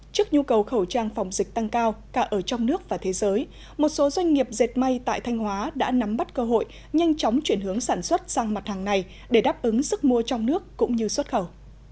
trước nhu cầu khẩu trang phòng dịch tăng cao cả ở trong nước và thế giới một số doanh nghiệp dệt may tại thanh hóa đã nắm bắt cơ hội nhanh chóng chuyển hướng sản xuất sang mặt hàng này để đáp ứng sức mua trong nước cũng như xuất khẩu